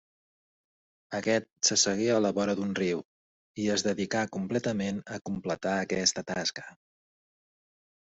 Aquest s'assegué a la vora d'un riu i es dedicà completament a completar aquesta tasca.